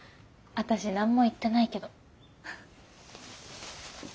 私何も言ってないけど。